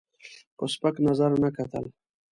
په سپک نظر نه کتل.